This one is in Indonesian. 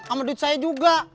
sama duit saya juga